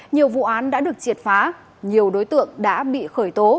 nhiều vụ án đã được triệt phá nhiều đối tượng đã bị khởi tố